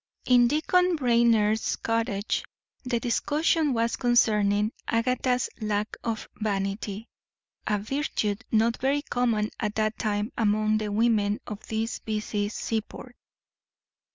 In Deacon Brainerd's cottage, the discussion was concerning Agatha's lack of vanity; a virtue not very common at that time among the women of this busy seaport.